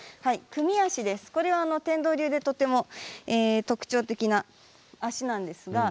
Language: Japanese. これは天道流でとても特徴的な足なんですが。